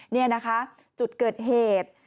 นี่นะคะจุดเกิดเหตุ